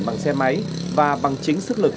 bằng xe máy và bằng chính sức lực